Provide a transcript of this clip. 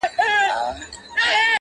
• دا موږ ولي همېشه غم ته پیدا یو,